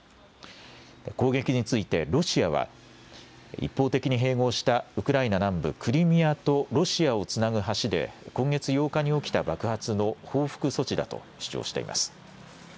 攻撃についてロシアは、一方的に併合したウクライナ南部クリミアとロシアをつなぐ橋で、今月８日に起きた爆発の報復措置だと主張しています。